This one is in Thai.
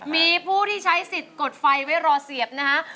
มีผู้ที่ใช้สิทธิ์กดไฟไว้รอเสียบนะฮะ